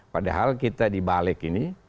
padahal kita di balik ini